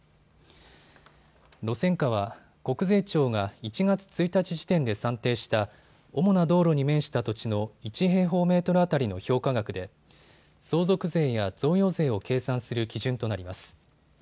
路線価は国税庁が１月１日時点で算定した主な道路に面した土地の１平方メートル当たりの評価額で相続税や贈与税を計算する基準となります。